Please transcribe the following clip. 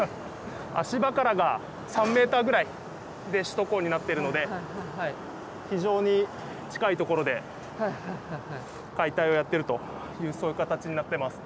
足場からが３ｍぐらいで首都高になってるので非常に近いところで解体をやってるというそういう形になってます。